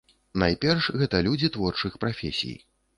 Найперш гэта людзі творчых прафесій.